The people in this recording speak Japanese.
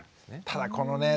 ただこのね